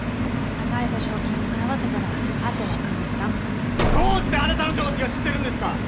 高い保証金を払わせたらあとは簡単どうしてあなたの上司が知ってるんですか！